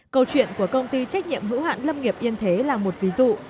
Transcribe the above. câu chuyện của công ty trách nhiệm hữu hạn lâm nghiệp yên thế là một ví dụ